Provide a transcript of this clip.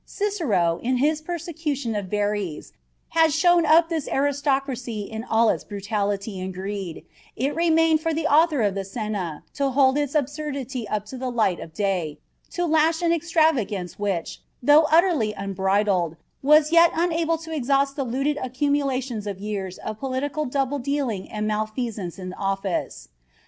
Cicero, in his prosecution of Verres, had shown up this aristocracy in all its brutality and greed, it remained for the author of the Cena to hold its absurdity up to the light of day, to lash an extravagance which, though utterly unbridled, was yet unable to exhaust the looted accumulations of years of political double dealing and malfeasance in office.